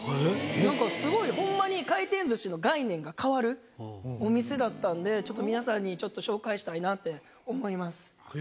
なんかすごい、ほんまに回転ずしの概念が変わるお店だったんで、ちょっと皆さんに紹介したいなって思います。